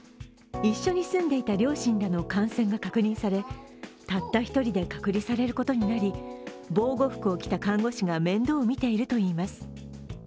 一緒に住んでいた両親らの感染が確認されたった一人で隔離されることになり、防護服を着た看護師が面倒を見ているといいます。